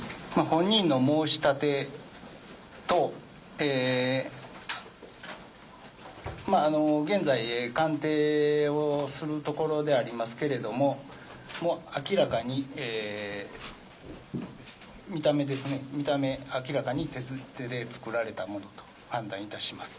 本人の申し立てと、現在、鑑定をするところでありますけれども、明らかに見た目ですね、見た目、明らかに手製で、作られたものと判断いたします。